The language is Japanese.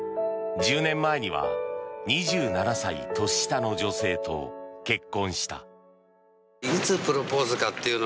１０年前には２７歳年下の女性と結婚した。